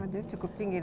jadi cukup tinggi